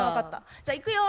じゃあいくよ。